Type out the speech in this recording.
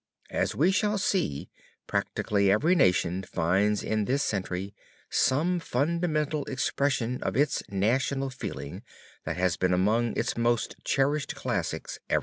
As we shall see, practically every nation finds in this century some fundamental expression of its national feeling that has been among its most cherished classics ever since.